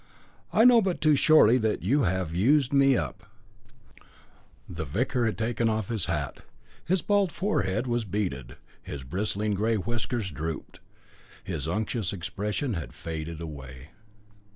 I know but too surely that you have used me up." The vicar had taken off his hat, his bald forehead was beaded, his bristling grey whiskers drooped, his unctuous expression had faded away.